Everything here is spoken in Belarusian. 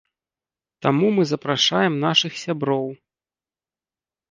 Таму мы запрашаем нашых сяброў.